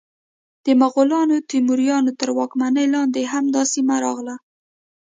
د مغولانو، تیموریانو تر واکمنۍ لاندې هم دا سیمه راغله.